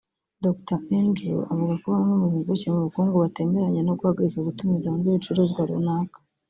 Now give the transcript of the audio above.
Dr Andrew avuga ko bamwe mu mpuguke mu bukungu batemeranya no guhagarika gutumiza hanze ibicuruzwa runaka